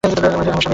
আমার স্বামীর সাথ।